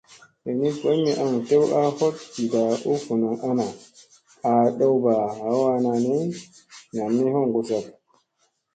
Lini boy mi aŋ tew a hoɗ ɗiɗa u vunun ana aa ɗowɓa hawaa nani nam mi hoŋgo zak.